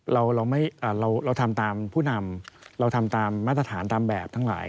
เราเราทำตามผู้นำเราทำตามมาตรฐานตามแบบทั้งหลาย